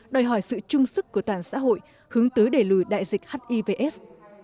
đòi hỏi sự chung sức của toàn xã hội hướng tới đẩy lùi đại dịch hivs